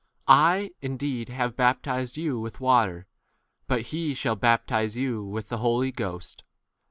I indeed have baptized you with water, but he shall baptize you with [the] Holy Ghost.